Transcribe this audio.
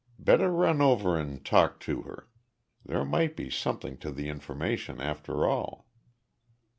Better run over and talk to her. There might be something to the information, after all."